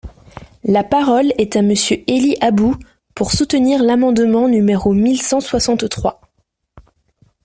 La parole est à Monsieur Élie Aboud, pour soutenir l’amendement numéro mille cent soixante-trois.